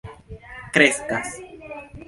kreskas